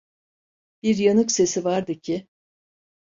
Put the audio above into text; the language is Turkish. Bir yanık sesi vardı ki…